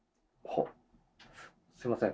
すみません